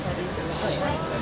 はい。